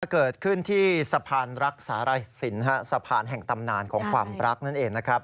เกิดขึ้นที่สะพานรักษาไรสินสะพานแห่งตำนานของความรักนั่นเองนะครับ